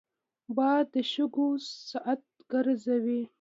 باد د شګو ساعت ګرځوي